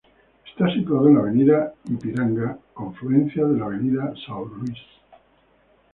Está situado en la Avenida Ipiranga confluencia de la Avenida São Luis.